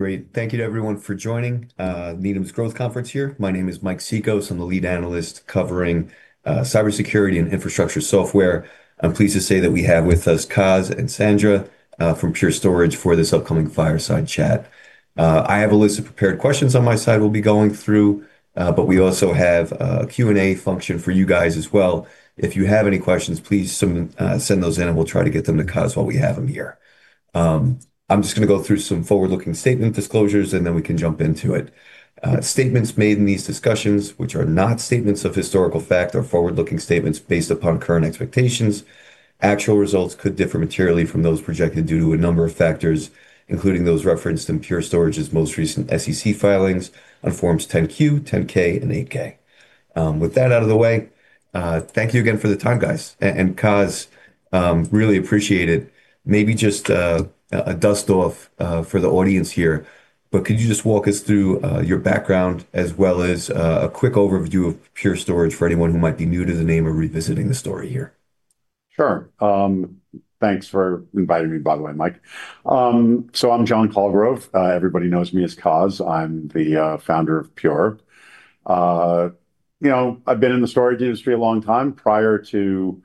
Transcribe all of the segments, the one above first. Great. Thank you to everyone for joining. Needham's Growth Conference here. My name is Mike Cikos. I'm the lead analyst covering cybersecurity and infrastructure software. I'm pleased to say that we have with us Coz and Sandra from Pure Storage for this upcoming fireside chat. I have a list of prepared questions on my side we'll be going through, but we also have a Q&A function for you guys as well. If you have any questions, please send those in, and we'll try to get them to Coz while we have him here. I'm just going to go through some forward-looking statement disclosures, and then we can jump into it. Statements made in these discussions, which are not statements of historical fact, are forward-looking statements based upon current expectations. Actual results could differ materially from those projected due to a number of factors, including those referenced in Pure Storage's most recent SEC filings on Forms 10-Q, 10-K, and 8-K. With that out of the way, thank you again for the time, guys, and Coz, really appreciate it. Maybe just a dust-off for the audience here, but could you just walk us through your background as well as a quick overview of Pure Storage for anyone who might be new to the name or revisiting the story here? Sure. Thanks for inviting me, by the way, Mike, so I'm John Colgrove. Everybody knows me as Coz. I'm the founder of Pure. I've been in the storage industry a long time. Prior to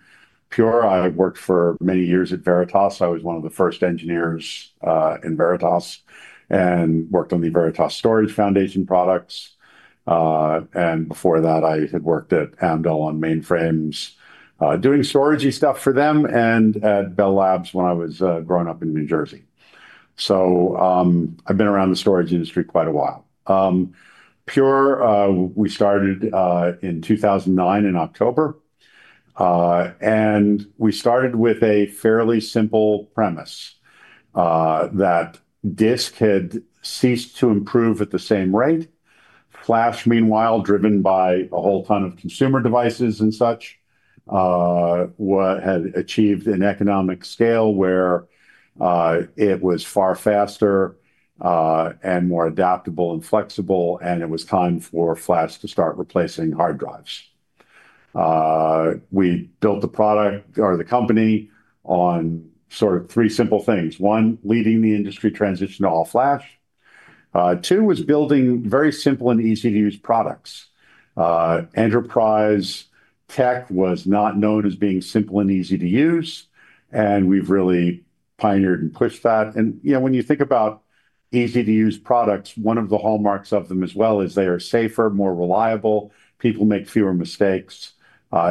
Pure, I worked for many years at Veritas. I was one of the first engineers in Veritas and worked on the Veritas Storage Foundation products, and before that, I had worked at Amdahl on mainframes, doing storage stuff for them and at Bell Labs when I was growing up in New Jersey, so I've been around the storage industry quite a while. Pure, we started in 2009 in October, and we started with a fairly simple premise that disk had ceased to improve at the same rate. Flash, meanwhile, driven by a whole ton of consumer devices and such, had achieved an economic scale where it was far faster and more adaptable and flexible, and it was time for flash to start replacing hard drives. We built the product or the company on sort of three simple things. One, leading the industry transition to all flash. Two, was building very simple and easy-to-use products. Enterprise tech was not known as being simple and easy to use, and we've really pioneered and pushed that, and when you think about easy-to-use products, one of the hallmarks of them as well is they are safer, more reliable, people make fewer mistakes.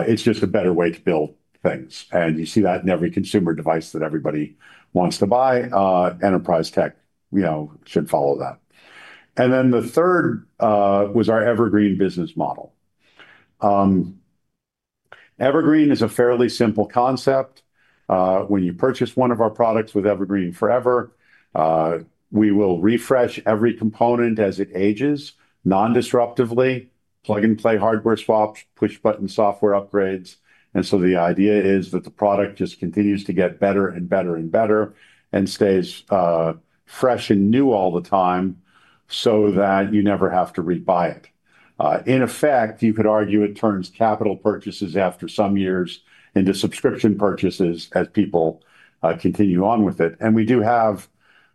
It's just a better way to build things, and you see that in every consumer device that everybody wants to buy. Enterprise tech should follow that, and then the third was our evergreen business model. Evergreen is a fairly simple concept. When you purchase one of our products with Evergreen//Forever, we will refresh every component as it ages non-disruptively, plug-and-play hardware swaps, push-button software upgrades. And so the idea is that the product just continues to get better and better and better and stays fresh and new all the time so that you never have to rebuy it. In effect, you could argue it turns capital purchases after some years into subscription purchases as people continue on with it. And we do have,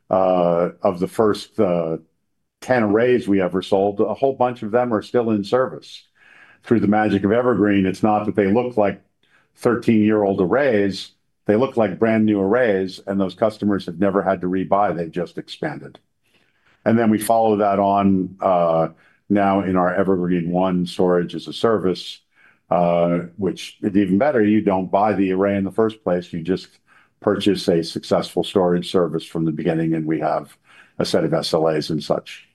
of the first 10 arrays we ever sold, a whole bunch of them are still in service. Through the magic of Evergreen, it's not that they look like 13-year-old arrays. They look like brand new arrays, and those customers have never had to rebuy. They've just expanded. And then we follow that on now in our Evergreen//One storage as a service, which is even better. You don't buy the array in the first place. You just purchase a successful storage service from the beginning, and we have a set of SLAs and such.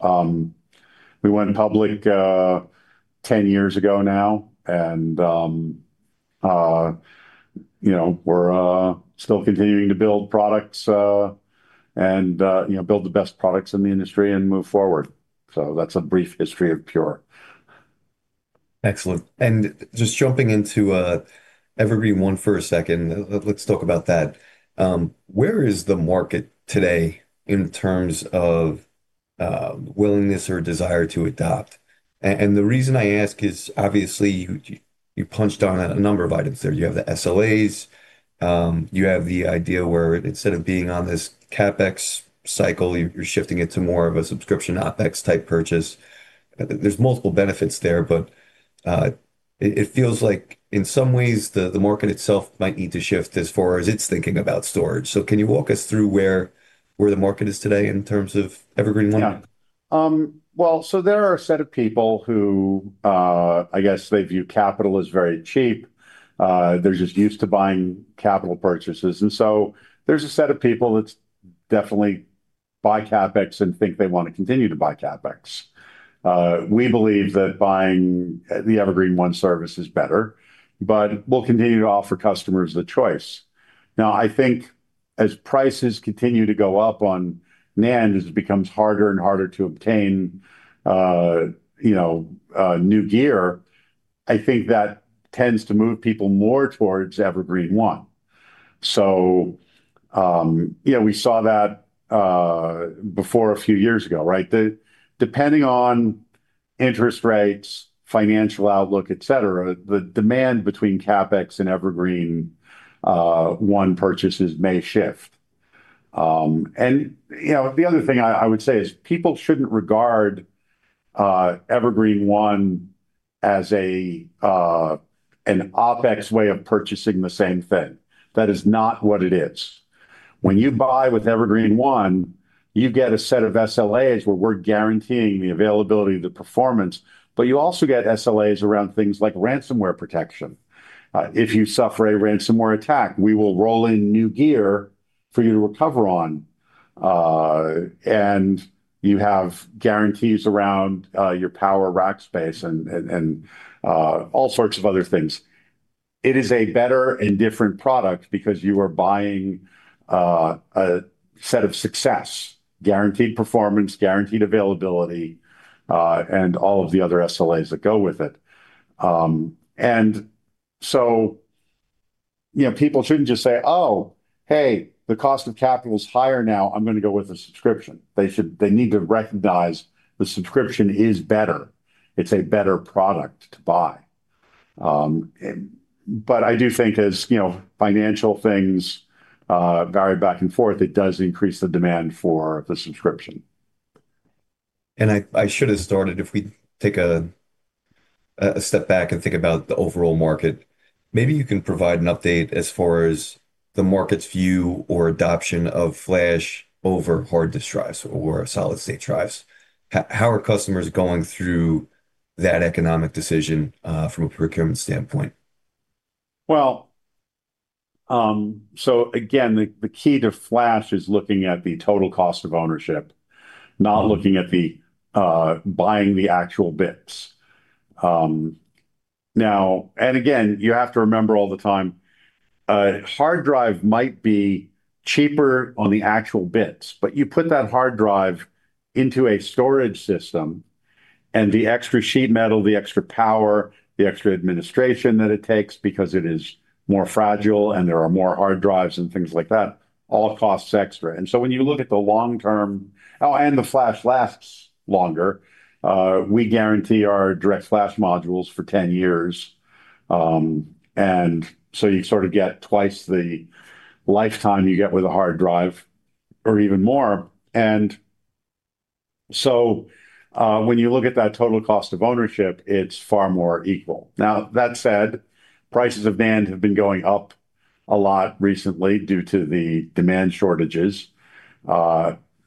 We went public 10 years ago now, and we're still continuing to build products and build the best products in the industry and move forward. So that's a brief history of Pure. Excellent. And just jumping into Evergreen//One for a second, let's talk about that. Where is the market today in terms of willingness or desire to adopt? And the reason I ask is, obviously, you punched on a number of items there. You have the SLAs. You have the idea where instead of being on this CapEx cycle, you're shifting it to more of a subscription OpEx type purchase. There's multiple benefits there, but it feels like in some ways the market itself might need to shift as far as it's thinking about storage. So can you walk us through where the market is today in terms of Evergreen//One? Yeah. Well, so there are a set of people who, I guess they view capital as very cheap. They're just used to buying capital purchases. And so there's a set of people that definitely buy CapEx and think they want to continue to buy CapEx. We believe that buying the Evergreen//One service is better, but we'll continue to offer customers the choice. Now, I think as prices continue to go up on NAND, as it becomes harder and harder to obtain new gear, I think that tends to move people more towards Evergreen//One, so we saw that before a few years ago, right? Depending on interest rates, financial outlook, et cetera, the demand between CapEx and Evergreen//One purchases may shift, and the other thing I would say is people shouldn't regard Evergreen//One as an OpEx way of purchasing the same thing. That is not what it is. When you buy with Evergreen//One, you get a set of SLAs where we're guaranteeing the availability of the performance, but you also get SLAs around things like ransomware protection. If you suffer a ransomware attack, we will roll in new gear for you to recover on, and you have guarantees around your power rack space and all sorts of other things. It is a better and different product because you are buying a set of success, guaranteed performance, guaranteed availability, and all of the other SLAs that go with it, and so people shouldn't just say, "Oh, hey, the cost of capital is higher now. I'm going to go with a subscription." They need to recognize the subscription is better. It's a better product to buy. But I do think as financial things vary back and forth, it does increase the demand for the subscription. I should have started if we take a step back and think about the overall market. Maybe you can provide an update as far as the market's view or adoption of flash over hard disk drives or solid-state drives. How are customers going through that economic decision from a procurement standpoint? Well, so again, the key to flash is looking at the total cost of ownership, not looking at buying the actual bits. Now, and again, you have to remember all the time, a hard drive might be cheaper on the actual bits, but you put that hard drive into a storage system, and the extra sheet metal, the extra power, the extra administration that it takes because it is more fragile and there are more hard drives and things like that, all costs extra. And so when you look at the long term, and the flash lasts longer, we guarantee our DirectFlash modules for 10 years. And so you sort of get twice the lifetime you get with a hard drive or even more. And so when you look at that total cost of ownership, it's far more equal. Now, that said, prices of NAND have been going up a lot recently due to the demand shortages.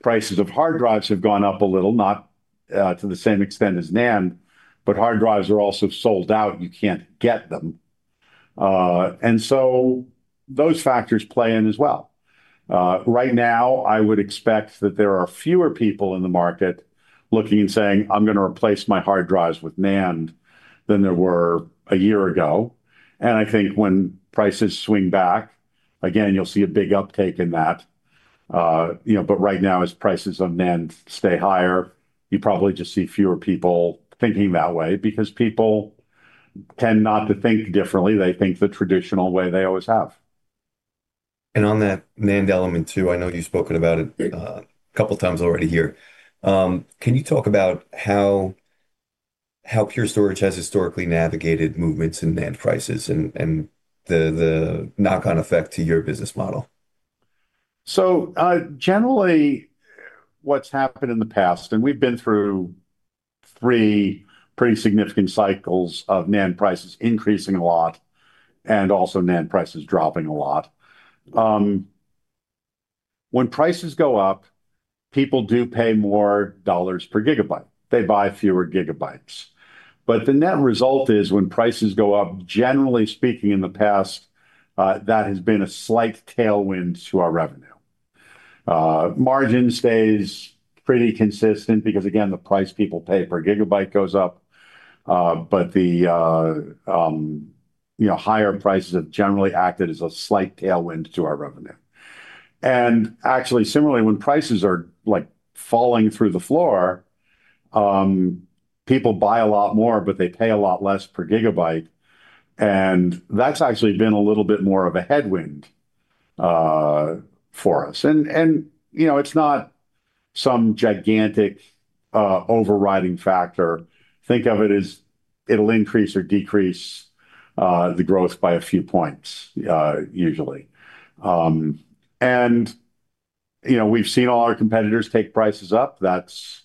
Prices of hard drives have gone up a little, not to the same extent as NAND, but hard drives are also sold out. You can't get them. And so those factors play in as well. Right now, I would expect that there are fewer people in the market looking and saying, "I'm going to replace my hard drives with NAND" than there were a year ago. And I think when prices swing back, again, you'll see a big uptake in that. But right now, as prices on NAND stay higher, you probably just see fewer people thinking that way because people tend not to think differently. They think the traditional way they always have. And on that NAND element too, I know you've spoken about it a couple of times already here. Can you talk about how Pure Storage has historically navigated movements in NAND prices and the knock-on effect to your business model? So generally, what's happened in the past, and we've been through three pretty significant cycles of NAND prices increasing a lot and also NAND prices dropping a lot. When prices go up, people do pay more dollars per gigabyte. They buy fewer gigabytes. But the net result is when prices go up, generally speaking, in the past, that has been a slight tailwind to our revenue. Margin stays pretty consistent because, again, the price people pay per gigabyte goes up, but the higher prices have generally acted as a slight tailwind to our revenue. And actually, similarly, when prices are falling through the floor, people buy a lot more, but they pay a lot less per gigabyte. And that's actually been a little bit more of a headwind for us. And it's not some gigantic overriding factor. Think of it as it'll increase or decrease the growth by a few points, usually. And we've seen all our competitors take prices up. That's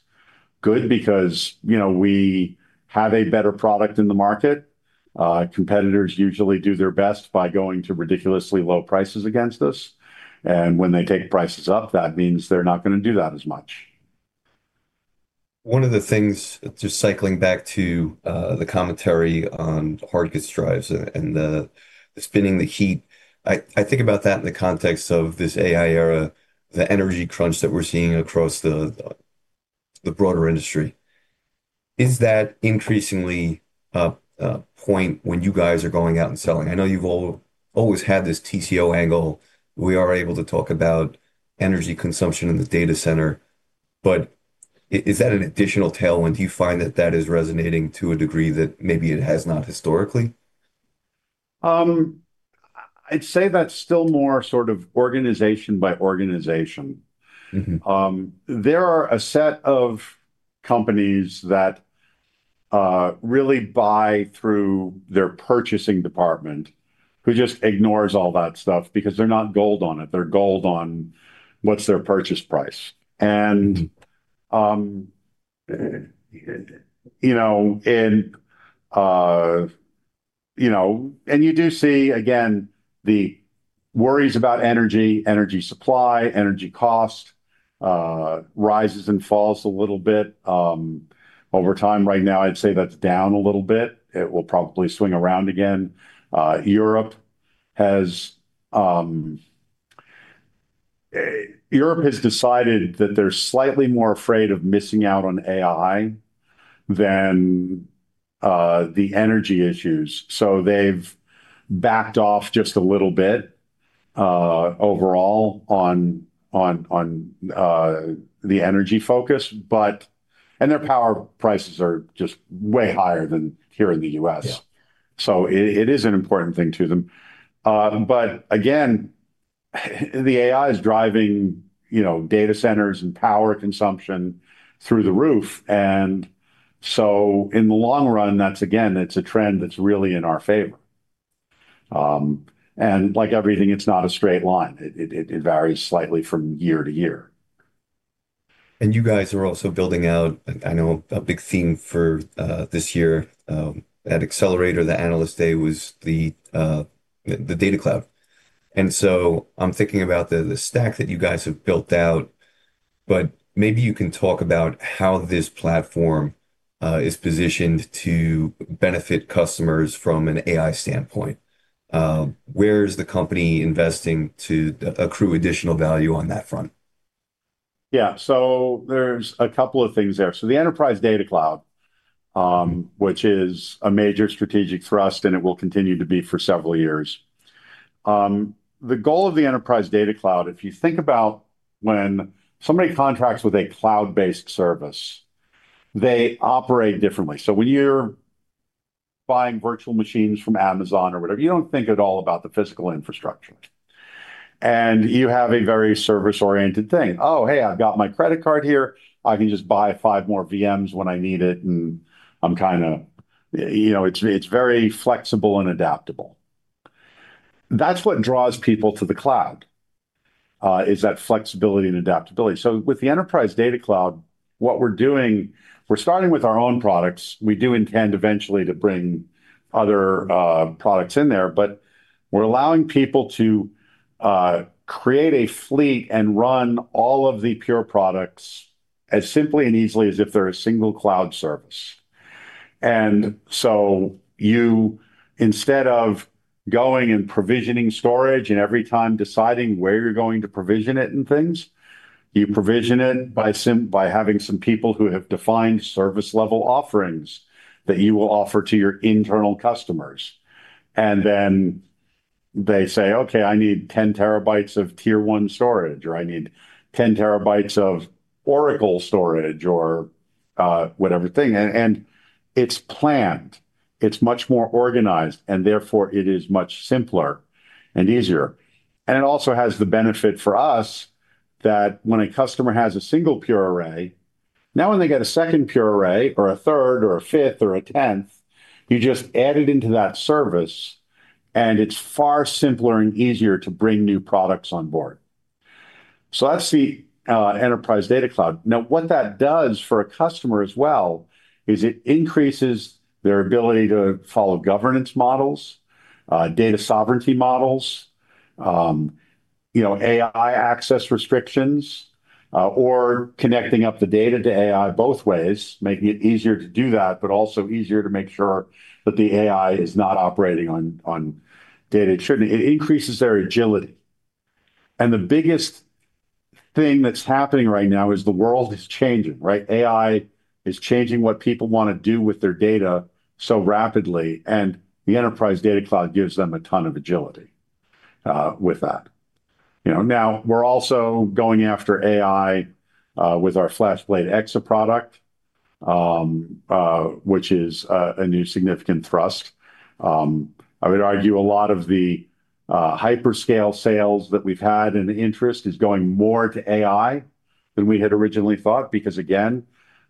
good because we have a better product in the market. Competitors usually do their best by going to ridiculously low prices against us. And when they take prices up, that means they're not going to do that as much. One of the things, just cycling back to the commentary on hard disk drives and spinning the heat, I think about that in the context of this AI era, the energy crunch that we're seeing across the broader industry. Is that increasingly a point when you guys are going out and selling? I know you've always had this TCO angle. We are able to talk about energy consumption in the data center, but is that an additional tailwind? Do you find that that is resonating to a degree that maybe it has not historically? I'd say that's still more sort of organization by organization. There are a set of companies that really buy through their purchasing department who just ignores all that stuff because they're not gold on it. They're gold on what's their purchase price. And you do see, again, the worries about energy, energy supply, energy cost rises and falls a little bit over time. Right now, I'd say that's down a little bit. It will probably swing around again. Europe has decided that they're slightly more afraid of missing out on AI than the energy issues. So they've backed off just a little bit overall on the energy focus. And their power prices are just way higher than here in the U.S. So it is an important thing to them. But again, the AI is driving data centers and power consumption through the roof. And so in the long run, that's again, it's a trend that's really in our favor. And like everything, it's not a straight line. It varies slightly from year-to-year. And you guys are also building out. I know a big theme for this year at Accelerate, the Analyst Day, was the data cloud. And so I'm thinking about the stack that you guys have built out, but maybe you can talk about how this platform is positioned to benefit customers from an AI standpoint. Where is the company investing to accrue additional value on that front? Yeah, so there's a couple of things there. So the Enterprise Data Cloud, which is a major strategic thrust, and it will continue to be for several years. The goal of the Enterprise Data Cloud, if you think about when somebody contracts with a cloud-based service, they operate differently, so when you're buying virtual machines from Amazon or whatever, you don't think at all about the physical infrastructure. And you have a very service-oriented thing. "Oh, hey, I've got my credit card here. I can just buy five more VMs when I need it, and I'm kind of." It's very flexible and adaptable. That's what draws people to the cloud, is that flexibility and adaptability, so with the Enterprise Data Cloud, what we're doing, we're starting with our own products. We do intend eventually to bring other products in there, but we're allowing people to create a fleet and run all of the Pure products as simply and easily as if they're a single cloud service. And so instead of going and provisioning storage and every time deciding where you're going to provision it and things, you provision it by having some people who have defined service-level offerings that you will offer to your internal customers. And then they say, "Okay, I need 10 TB of tier one storage," or, "I need 10 TB of Oracle storage," or whatever thing. And it's planned. It's much more organized, and therefore it is much simpler and easier. And it also has the benefit for us that when a customer has a single Pure array, now when they get a second Pure array or a third or a fifth or a tenth, you just add it into that service, and it's far simpler and easier to bring new products on board. So that's the Enterprise Data Cloud. Now, what that does for a customer as well is it increases their ability to follow governance models, data sovereignty models, AI access restrictions, or connecting up the data to AI both ways, making it easier to do that, but also easier to make sure that the AI is not operating on data it shouldn't. It increases their agility. And the biggest thing that's happening right now is the world is changing, right? AI is changing what people want to do with their data so rapidly, and the Enterprise Data Cloud gives them a ton of agility with that. Now, we're also going after AI with our FlashBlade//Exa product, which is a new significant thrust. I would argue a lot of the hyperscale sales that we've had and interest is going more to AI than we had originally thought because, again,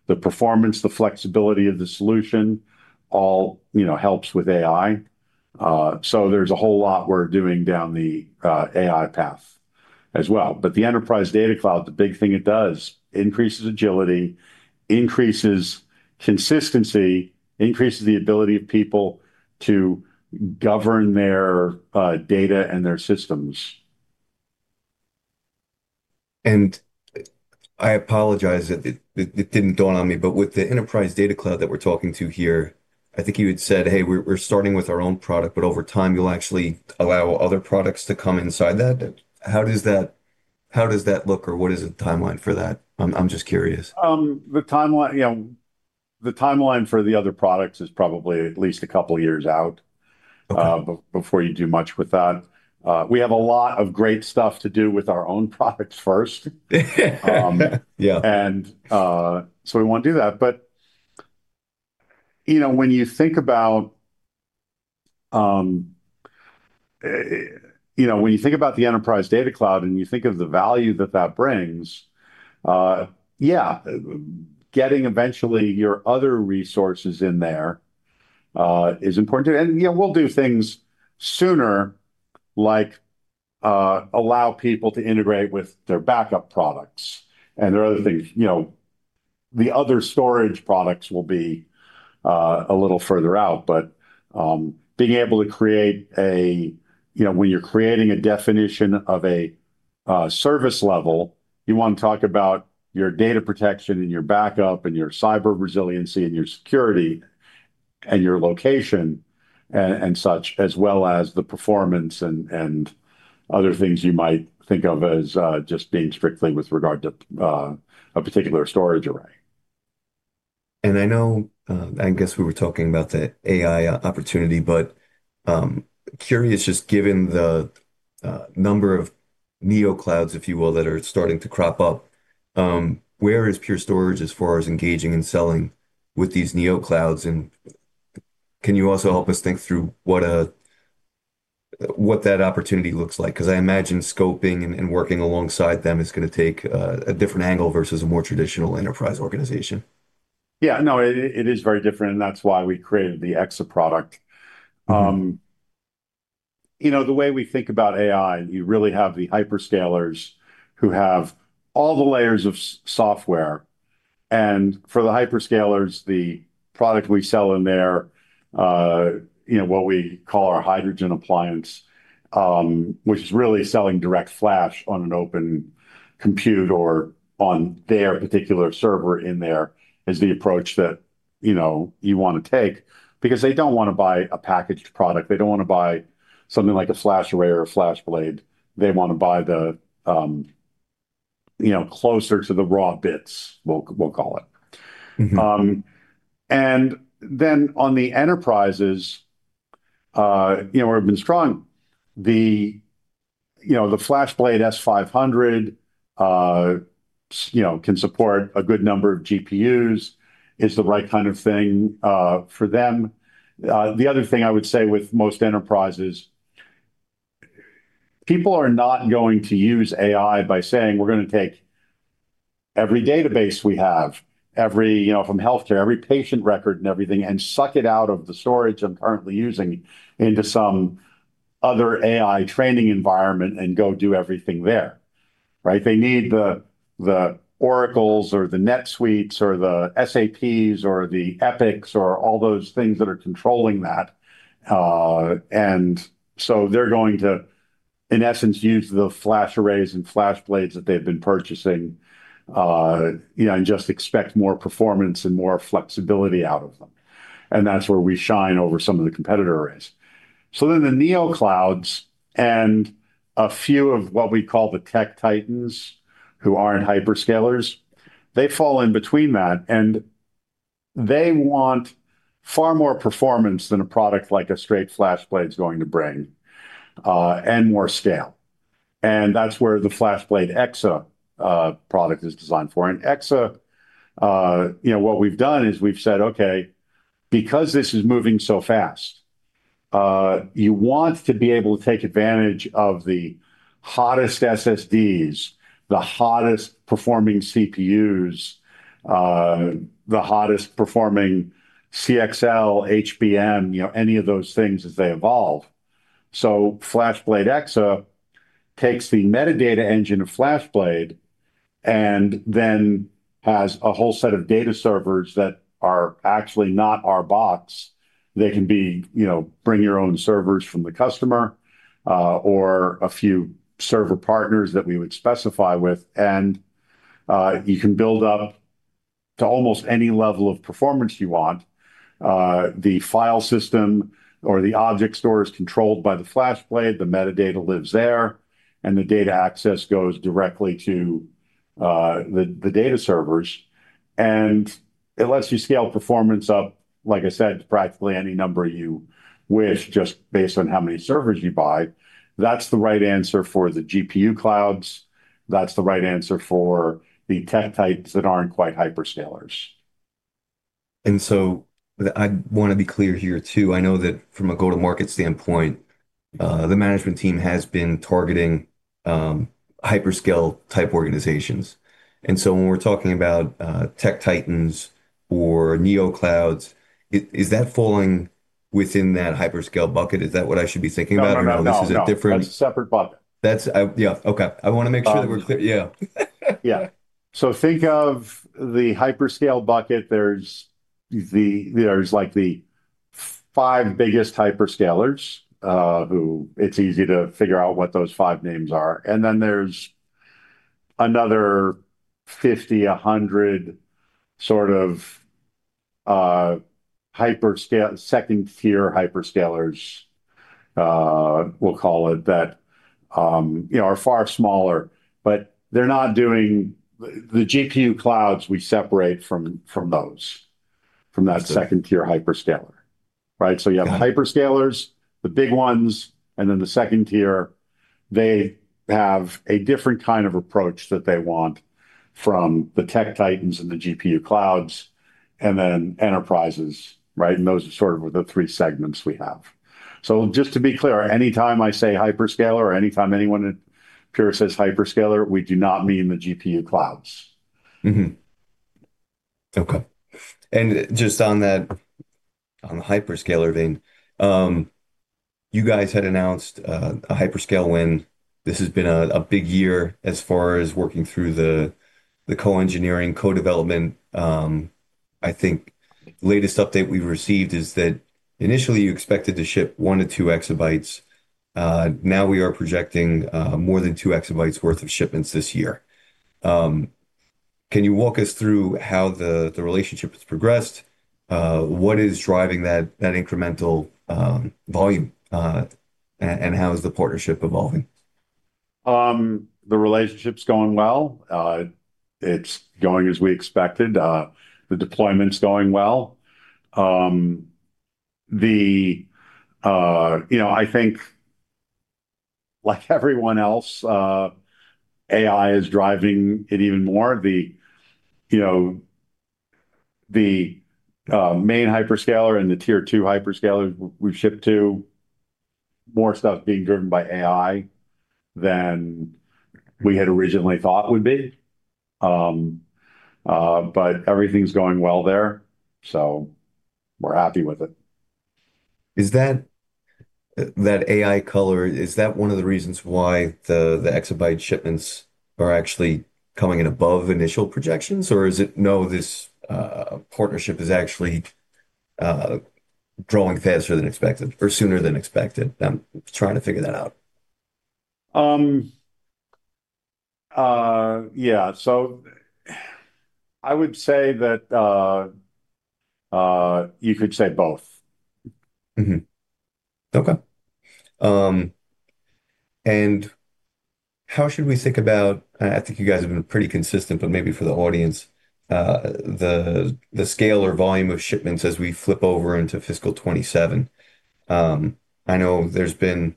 the performance, the flexibility of the solution all helps with AI. So there's a whole lot we're doing down the AI path as well. But the Enterprise Data Cloud, the big thing it does, increases agility, increases consistency, increases the ability of people to govern their data and their systems. I apologize that it didn't dawn on me, but with the Enterprise Data Cloud that we're talking to here, I think you had said, "Hey, we're starting with our own product, but over time, you'll actually allow other products to come inside that." How does that look or what is the timeline for that? I'm just curious. The timeline for the other products is probably at least a couple of years out before you do much with that. We have a lot of great stuff to do with our own products first. And so we want to do that. But when you think about the Enterprise Data Cloud and you think of the value that that brings, yeah, getting eventually your other resources in there is important too. And we'll do things sooner like allow people to integrate with their backup products and their other things. The other storage products will be a little further out, but being able to, when you're creating a definition of a service level, you want to talk about your data protection and your backup and your cyber resiliency and your security and your location and such, as well as the performance and other things you might think of as just being strictly with regard to a particular storage array. I know, I guess we were talking about the AI opportunity, but curious, just given the number of Neo clouds, if you will, that are starting to crop up, where is Pure Storage as far as engaging and selling with these Neo clouds? And can you also help us think through what that opportunity looks like? Because I imagine scoping and working alongside them is going to take a different angle versus a more traditional enterprise organization. Yeah, no, it is very different, and that's why we created the Exa product. The way we think about AI, you really have the hyperscalers who have all the layers of software, and for the hyperscalers, the product we sell in there, what we call our Hydrogen appliance, which is really selling DirectFlash on an Open Compute or on their particular server in there is the approach that you want to take because they don't want to buy a packaged product. They don't want to buy something like a FlashArray or a FlashBlade. They want to buy the closer to the raw bits, we'll call it, and then on the enterprises, we've been strong. The FlashBlade//S500 can support a good number of GPUs. It's the right kind of thing for them. The other thing I would say with most enterprises, people are not going to use AI by saying, "We're going to take every database we have, from healthcare, every patient record and everything, and suck it out of the storage I'm currently using into some other AI training environment and go do everything there." They need the Oracles or the NetSuites or the SAPs or the Epics or all those things that are controlling that. And so they're going to, in essence, use the FlashArrays and FlashBlades that they've been purchasing and just expect more performance and more flexibility out of them. And that's where we shine over some of the competitor arrays. So then the Neo Clouds and a few of what we call the Tech Titans who aren't hyperscalers, they fall in between that. And they want far more performance than a product like a straight FlashBlade is going to bring and more scale. And that's where the FlashBlade//Exa product is designed for. And Exa, what we've done is we've said, "Okay, because this is moving so fast, you want to be able to take advantage of the hottest SSDs, the hottest performing CPUs, the hottest performing CXL, HBM, any of those things as they evolve." So FlashBlade//Exa takes the metadata engine of FlashBlade and then has a whole set of data servers that are actually not our box. They can bring your own servers from the customer or a few server partners that we would specify with. And you can build up to almost any level of performance you want. The file system or the object store is controlled by the FlashBlade. The metadata lives there, and the data access goes directly to the data servers. And it lets you scale performance up, like I said, to practically any number you wish, just based on how many servers you buy. That's the right answer for the GPU clouds. That's the right answer for the tech titans that aren't quite hyperscalers. And so I want to be clear here too. I know that from a go-to-market standpoint, the management team has been targeting hyperscale type organizations. And so when we're talking about tech titans or neo clouds, is that falling within that hyperscale bucket? Is that what I should be thinking about? No, no, no. That's a separate bucket. Yeah. Okay. I want to make sure that we're clear. Yeah. So think of the hyperscale bucket. There's like the five biggest hyperscalers who it's easy to figure out what those five names are. And then there's another 50, 100 sort of second-tier hyperscalers, we'll call it, that are far smaller, but they're not doing the GPU clouds. We separate from those, from that second-tier hyperscaler. So you have the hyperscalers, the big ones, and then the second-tier. They have a different kind of approach that they want from the tech titans and the GPU clouds and then enterprises. And those are sort of the three segments we have. So just to be clear, anytime I say hyperscaler or anytime, anyone at Pure says hyperscaler, we do not mean the GPU clouds. Okay. And just on the hyperscaler vein, you guys had announced a hyperscale win. This has been a big year as far as working through the co-engineering, co-development. I think the latest update we've received is that initially you expected to ship one to two EB. Now we are projecting more than two EB worth of shipments this year. Can you walk us through how the relationship has progressed? What is driving that incremental volume and how is the partnership evolving? The relationship's going well. It's going as we expected. The deployment's going well. I think like everyone else, AI is driving it even more. The main hyperscaler and the tier two hyperscaler we've shipped to, more stuff being driven by AI than we had originally thought would be. But everything's going well there, so we're happy with it. Is that AI color? Is that one of the reasons why the exabyte shipments are actually coming in above initial projections, or is it, no, this partnership is actually growing faster than expected or sooner than expected? I'm trying to figure that out. Yeah. So I would say that you could say both. Okay. And how should we think about, I think you guys have been pretty consistent, but maybe for the audience, the scale or volume of shipments as we flip over into fiscal 27? I know there's been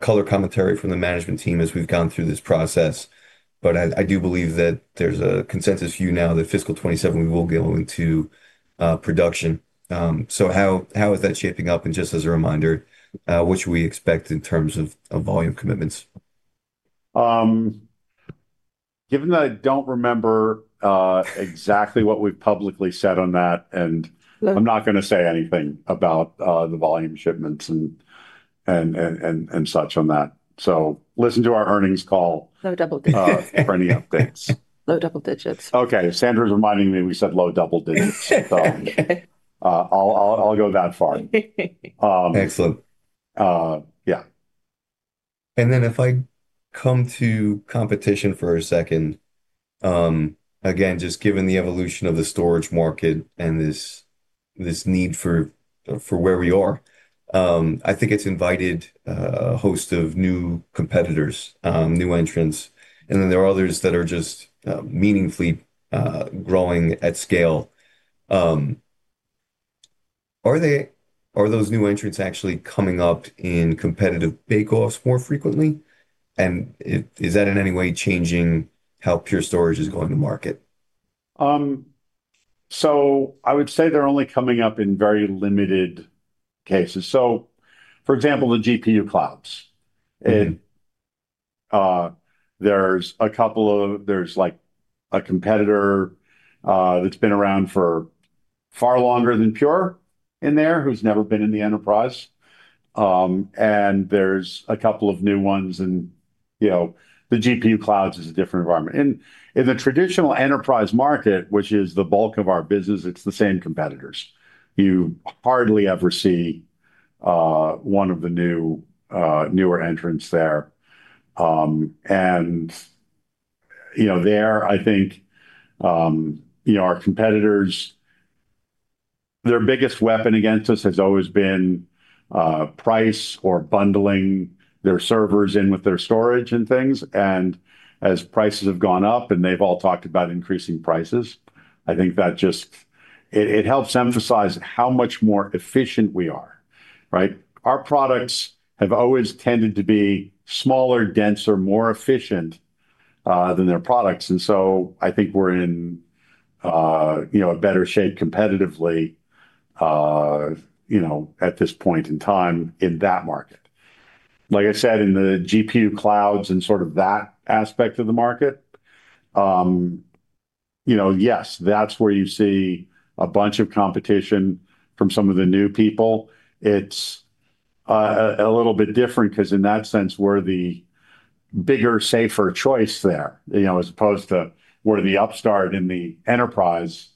color commentary from the management team as we've gone through this process, but I do believe that there's a consensus view now that fiscal 27, we will go into production. So how is that shaping up? And just as a reminder, what should we expect in terms of volume commitments? Given that I don't remember exactly what we've publicly said on that, and I'm not going to say anything about the volume shipments and such on that, so listen to our earnings call. Low double digits. For any updates. Low double digits. Okay. Sandra's reminding me we said low double digits. I'll go that far. Excellent. Yeah. And then if I come to competition for a second, again, just given the evolution of the storage market and this need for where we are, I think it's invited a host of new competitors, new entrants. And then there are others that are just meaningfully growing at scale. Are those new entrants actually coming up in competitive bake-offs more frequently? And is that in any way changing how Pure Storage is going to market? So I would say they're only coming up in very limited cases. So for example, the GPU clouds. There's a couple of. There's a competitor that's been around for far longer than Pure in there who's never been in the enterprise. And there's a couple of new ones. And the GPU clouds is a different environment. In the traditional enterprise market, which is the bulk of our business, it's the same competitors. You hardly ever see one of the newer entrants there. And there, I think our competitors, their biggest weapon against us has always been price or bundling their servers in with their storage and things. And as prices have gone up and they've all talked about increasing prices, I think that just it helps emphasize how much more efficient we are. Our products have always tended to be smaller, denser, more efficient than their products. And so I think we're in a better shape competitively at this point in time in that market. Like I said, in the GPU clouds and sort of that aspect of the market, yes, that's where you see a bunch of competition from some of the new people. It's a little bit different because in that sense, we're the bigger, safer choice there as opposed to we're the upstart in the enterprise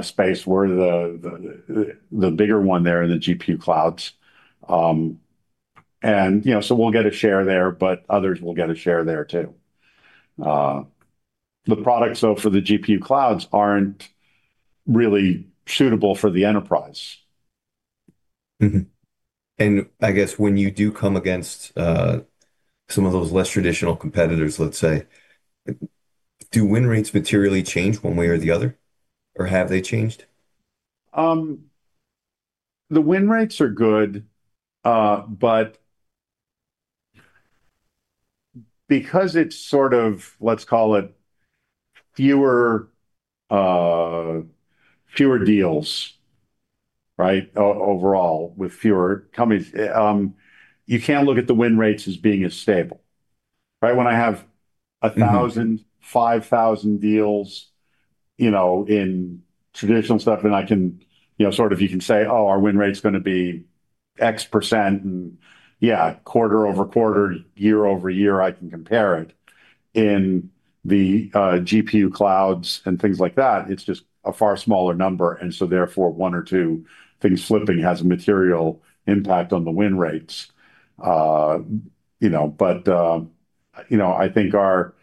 space. We're the bigger one there in the GPU clouds. And so we'll get a share there, but others will get a share there too. The products, though, for the GPU clouds aren't really suitable for the enterprise. I guess when you do come against some of those less traditional competitors, let's say, do win rates materially change one way or the other, or have they changed? The win rates are good, but because it's sort of, let's call it fewer deals overall with fewer companies, you can't look at the win rates as being as stable. When I have 1,000, 5,000 deals in traditional stuff, and I can sort of, you can say, "Oh, our win rate's going to be X%," and yeah, quarter-over-quarter, year-over-year, I can compare it. In the GPU clouds and things like that, it's just a far smaller number, and so therefore, one or two things flipping has a material impact on the win rates, but I think our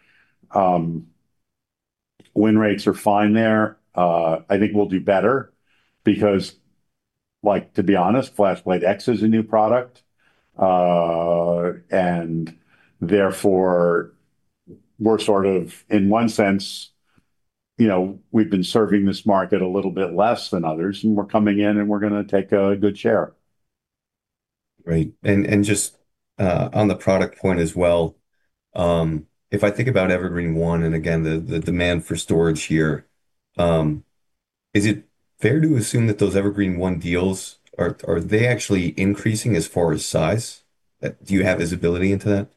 win rates are fine there. I think we'll do better because, to be honest, FlashBlade//Exa is a new product. Therefore, we're sort of, in one sense, we've been serving this market a little bit less than others, and we're coming in, and we're going to take a good share. Right. And just on the product point as well, if I think about Evergreen//One and again, the demand for storage here, is it fair to assume that those Evergreen//One deals, are they actually increasing as far as size? Do you have visibility into that?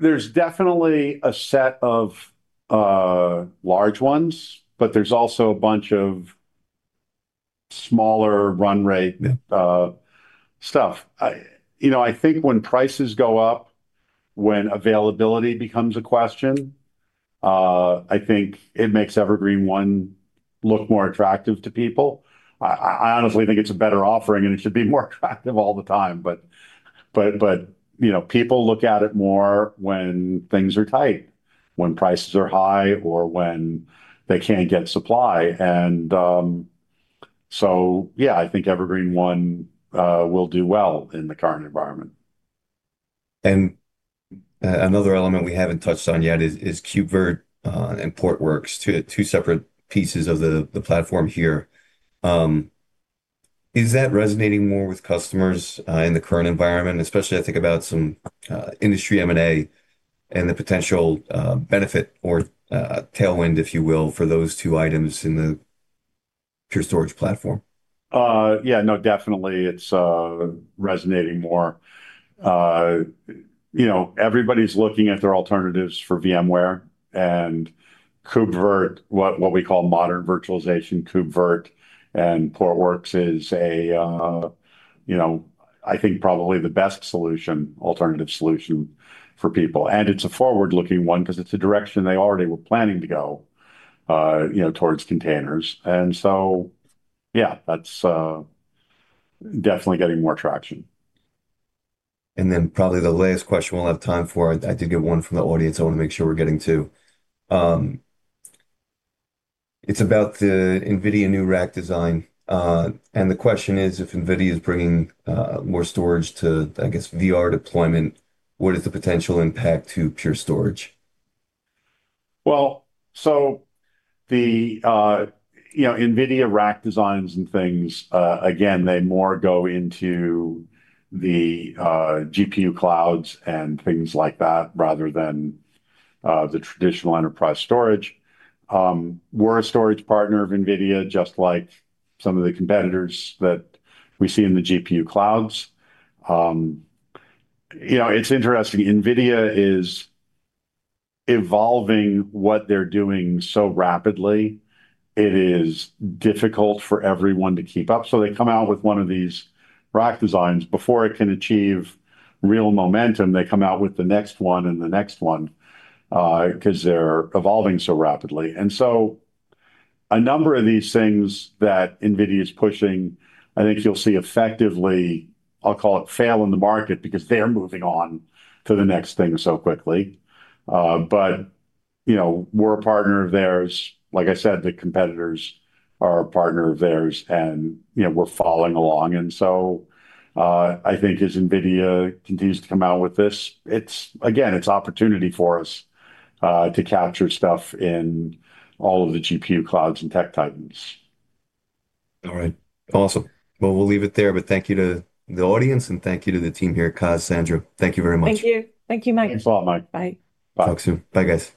There's definitely a set of large ones, but there's also a bunch of smaller run rate stuff. I think when prices go up, when availability becomes a question, I think it makes Evergreen//One look more attractive to people. I honestly think it's a better offering, and it should be more attractive all the time. But people look at it more when things are tight, when prices are high, or when they can't get supply. And so yeah, I think Evergreen//One will do well in the current environment. Another element we haven't touched on yet is KubeVirt and Portworx, two separate pieces of the platform here. Is that resonating more with customers in the current environment? Especially I think about some industry M&A and the potential benefit or tailwind, if you will, for those two items in the Pure Storage platform. Yeah. No, definitely. It's resonating more. Everybody's looking at their alternatives for VMware. And KubeVirt, what we call modern virtualization, KubeVirt and Portworx is, I think, probably the best alternative solution for people. And it's a forward-looking one because it's a direction they already were planning to go towards containers. And so yeah, that's definitely getting more traction. And then probably the last question we'll have time for. I did get one from the audience I want to make sure we're getting to. It's about the NVIDIA new rack design. And the question is, if NVIDIA is bringing more storage to, I guess, AI deployment, what is the potential impact to Pure Storage? Well, so the NVIDIA rack designs and things, again, they more go into the GPU clouds and things like that rather than the traditional enterprise storage. We're a storage partner of NVIDIA, just like some of the competitors that we see in the GPU clouds. It's interesting. NVIDIA is evolving what they're doing so rapidly. It is difficult for everyone to keep up. So they come out with one of these rack designs. Before it can achieve real momentum, they come out with the next one and the next one because they're evolving so rapidly. And so a number of these things that NVIDIA is pushing, I think you'll see effectively. I'll call it fail in the market because they're moving on to the next thing so quickly. But we're a partner of theirs. Like I said, the competitors are a partner of theirs, and we're following along. And so I think as NVIDIA continues to come out with this, again, it's opportunity for us to capture stuff in all of the GPU clouds and tech titans. All right. Awesome. Well, we'll leave it there, but thank you to the audience and thank you to the team here, Coz, Sandra. Thank you very much. Thank you. Thank you, Mike. Thanks a lot, Mike. Bye. Bye. Talk soon. Bye guys.